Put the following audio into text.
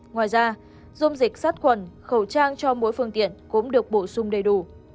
ngoài ra dung dịch sát khuẩn khẩu trang cho mỗi phương tiện cũng được bổ sung đầy đủ